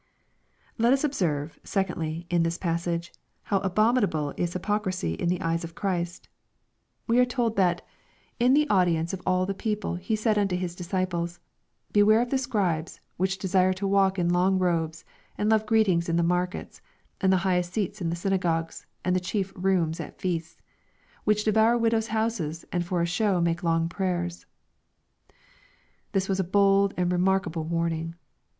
Let us observe, secondly, in this passage, how abominable is hypocrisy in the eyee of Christ We are told that " in 15* 346 EXPOSITOKY THOUGHTS. the audience of all the people He said unto His disciples, beware of the Scribes, which desire to walk in long robes, and love greetings in the markets, and the highest seats in the synagogues, and the chief rooms at feasts ; which devour widows' houses, and for a show make long prayers." This was a bold and remarkable warning.